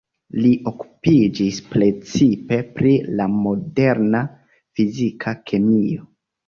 Li okupiĝis precipe pri la moderna fizika kemio.